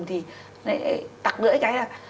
thì tặng lưỡi cái là